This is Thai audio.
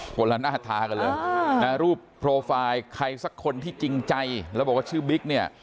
คนละหน้าทากันเลยนะรูปโปรไฟล์ใครสักคนที่จริงใจแล้วบอกว่าชื่อบิ๊กเนี่ย